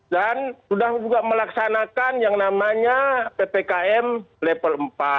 dan sudah juga melaksanakan yang namanya ppkm level empat